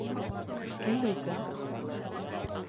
Кем риза?